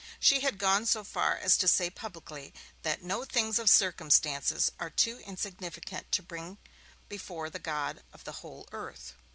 She had gone so far as to say publicly that no 'things or circumstances are too insignificant to bring before the God of the whole earth'.